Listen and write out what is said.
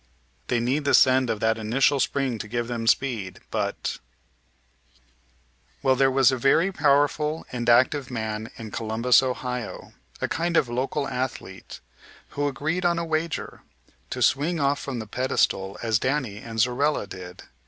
They need the send of that initial spring to give them speed, but Well, there was a very powerful and active man in Columbus, Ohio, a kind of local athlete, who agreed, on a wager, to swing off from the pedestal as Danny and Zorella did.